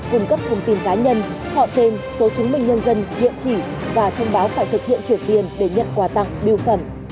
cung cấp thông tin cá nhân họ tên số chứng minh nhân dân địa chỉ và thông báo phải thực hiện chuyển tiền để nhận quà tặng biêu phẩm